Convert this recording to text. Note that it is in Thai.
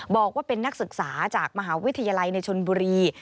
บอกว่าเป็นนักศึกษาจากมหาวิทยาลัยในชนบุรี